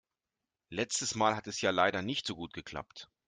Letztes Mal hat es ja leider nicht so gut geklappt.